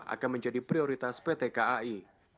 akan menjadi prioritas pt kai